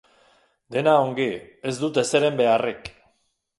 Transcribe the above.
Dena ongi, ez dut ezeren beharrik.